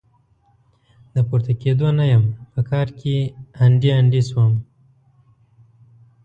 د پورته کېدو نه يم؛ په کار کې هنډي هنډي سوم.